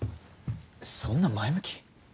そんな前向き？